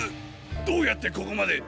どうやってここまで！？